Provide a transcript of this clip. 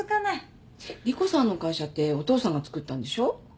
莉湖さんの会社ってお父さんがつくったんでしょ？